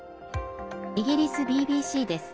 イギリスＢＢＣです。